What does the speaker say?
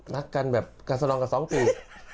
รักกันแบบกันสนองกันสองปี